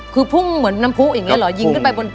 คือพุ่งเหมือนน้ำพุ้อีกเลยหรือยิงขึ้นไปบน